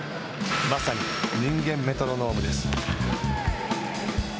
まさに人間メトロノームです。